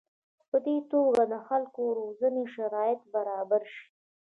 په دې توګه د خلکو روزنې شرایط برابر شي.